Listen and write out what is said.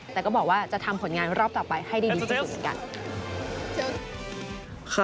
แต่ก็บอกว่าจะทำผลงานรอบต่อไปให้ดีที่สุดเหมือนกัน